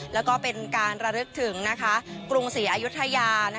แล้วก็เป็นการระลึกถึงกรุงศรีอายุทยา